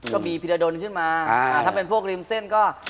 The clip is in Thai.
พิรดลขึ้นมาถ้าเป็นพวกริมเส้นก็